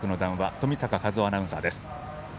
冨坂和男アナウンサーです。